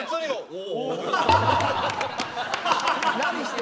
「お」。